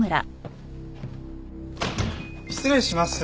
失礼します。